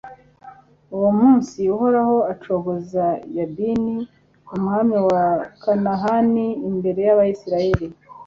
uwo munsi uhoraho acogoza yabini, umwami wa kanahani, imbere y'abayisraheli